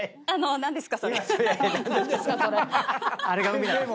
「何ですか？